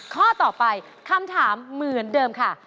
ข้อต่อไปคำถามเหมือนเดิมค่ะ